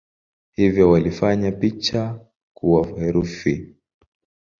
Hivyo walifanya picha kuwa herufi.